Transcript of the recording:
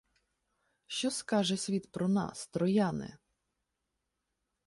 Що скаже світ про нас, трояне?